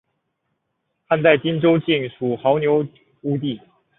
汉代今州境属牦牛羌地。